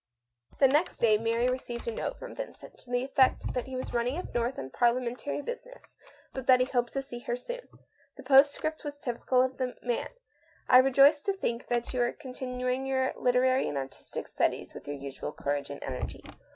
The next day Mary received a note from Vincent, to the effect that he was running up north on parliamentary business, but that he hoped to see her very soon. The postscript was typical of the man :" I rejoice to think that you are continuing your literary and artistic studies with your usual courage and energy.